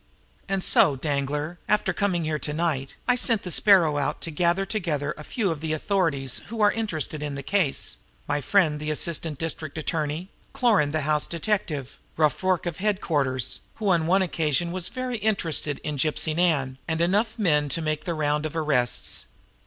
"And so, Danglar, after coming here to night, I sent the Sparrow out to gather together a few of the authorities who are interested in the case my friend the assistant district attorney; Cloran, the house detective; Rough Rorke of headquarters, who on one occasion was very much interested in Gypsy Nan; and enough men to make the round of arrests.